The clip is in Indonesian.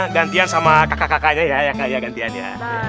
gantian sama kakak kakaknya ya